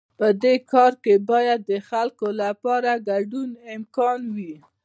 په دې کار کې باید د خلکو لپاره د ګډون امکان وي.